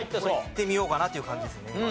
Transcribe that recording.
これいってみようかなという感じですね